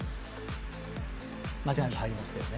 間違いなく入りましたよね。